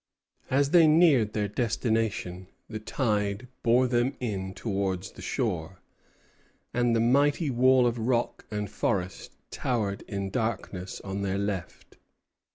As they neared their destination, the tide bore them in towards the shore, and the mighty wall of rock and forest towered in darkness on their left.